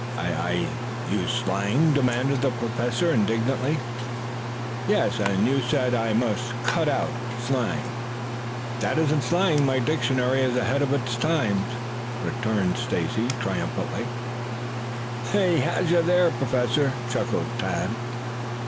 "I I use slang?" demanded the Professor indignantly. "Yes. You said I must 'cut out' slang. If that isn't slang, my dictionary is ahead of the times," returned Stacy triumphantly. "He has you there, Professor," chuckled Tad.